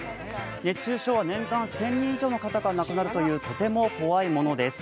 熱中症は、年間１０００人以上の方が亡くなるというとても怖いものです。